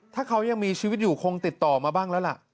ถ้าเขายังมีชีวิตอยู่คงติดต่อมาบ้างแล้วล่ะ